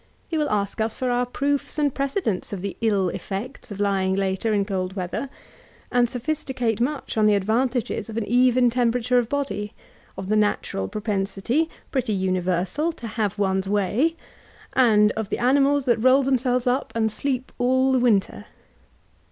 He will ask us for our proofs and precedents of the ill efifects of lying later in cold weather ; and sophisticate much on the advantages of an even temperature of body; of the natural propensity (pretty universal) to have one's way; and of the anknals that roll themselves up, and sleep all the winter.